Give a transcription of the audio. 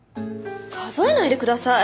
数えないで下さい。